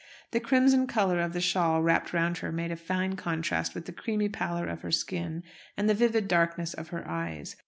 The crimson colour of the shawl wrapped round her made a fine contrast with the creamy pallor of her skin and the vivid darkness of her eyes.